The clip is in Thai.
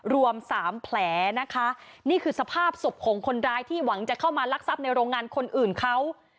รวมสามแผลนะคะนี่คือสภาพศพของคนร้ายที่หวังจะเข้ามาลักทรัพย์ในโรงงานคนอื่นเขา